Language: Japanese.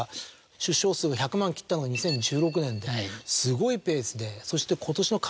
出生数が１００万切ったのが２０１６年ですごいペースでそして今年の。